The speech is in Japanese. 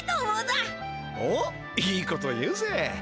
おっいいこと言うぜ！